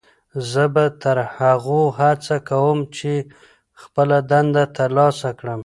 زه به تر هغو هڅه کوم چې خپله دنده ترلاسه کړم.